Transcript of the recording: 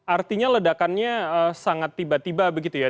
artinya ledakannya sangat tiba tiba begitu ya